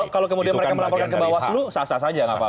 kalau kemudian mereka melaporkan ke bawah seluruh sah sah saja